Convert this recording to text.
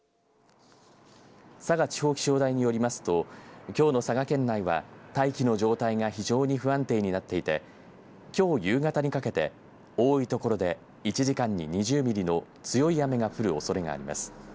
佐賀地方気象台によりますときょうの佐賀県内は大気の状態が非常に不安定になっていてきょう夕方にかけて多いところで１時間に２０ミリの強い雨が降るおそれがあります。